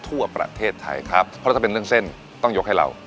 ทั่วประเทศไทยครับเพราะถ้าเป็นเรื่องเส้นต้องยกให้เรา